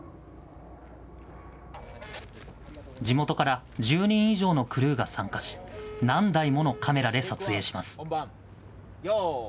地元から１０人以上のクルーが参加し、何台ものカメラで撮影します。